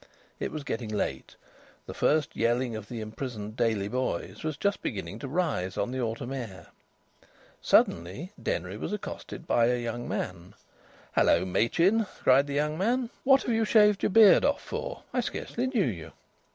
It was getting late. The first yelling of the imprisoned Daily boys was just beginning to rise on the autumn air. Suddenly Denry was accosted by a young man. "Hello, Machin!" cried the young man. "What have you shaved your beard off, for? I scarcely knew you."